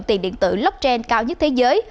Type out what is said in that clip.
tiền điện tử blockchain cao nhất thế giới